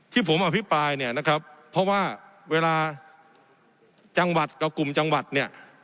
ที่ผมอภิปรายเนี่ยนะครับเพราะว่าเวลาจังหวัดกับกลุ่มจังหวัดเนี่ย